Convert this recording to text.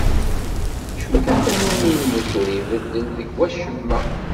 Acu kan tannumi-ines ur ibeddel deg-s wacemma.